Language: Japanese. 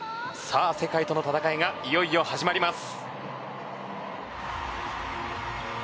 世界との戦いがいよいよ始まります。